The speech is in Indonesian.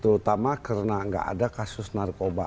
terutama karena nggak ada kasus narkoba